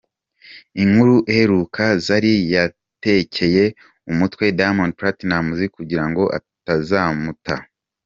Inkuru iheruka: Zari yatekeye umutwe Diamond Platinumz kugirango atazamuta.